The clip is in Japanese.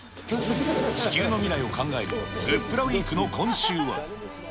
地球の未来を考えるグップラウィークの今週は。